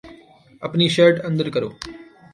اپنی شرٹ اندر کرو